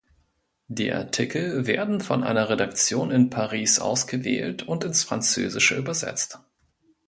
Die Artikel werden von einer Redaktion in Paris ausgewählt und ins Französische übersetzt.